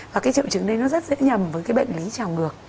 và cái triệu chứng đây nó rất dễ nhầm với cái bệnh lý trào ngược